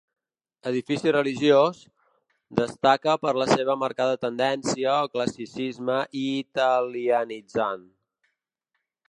Edifici religiós; destaca per la seva marcada tendència al classicisme italianitzant.